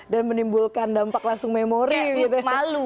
dan menimbulkan dampak langsung memori gitu